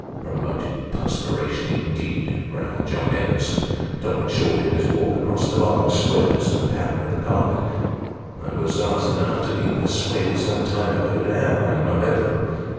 " Promoting perspiration, indeed," growled John Evenson, stopping short in his walk across the large squares in the pattern of the carpet "I was ass enough to be persuaded some time ago to have one in my bedroom.